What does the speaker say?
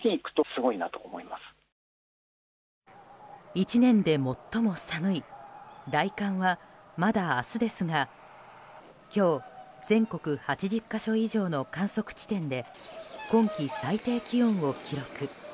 １年で最も寒い大寒はまだ明日ですが今日、全国８０か所以上の観測地点で今季最低気温を記録。